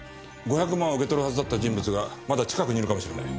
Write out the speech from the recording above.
５００万を受け取るはずだった人物がまだ近くにいるかもしれない。